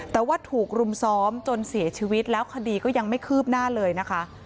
แต่ว่าถูกรุมซ้อมจนเสียชีวิตแล้วคดีก็ยังไม่คืบหน้าเลยนะคะ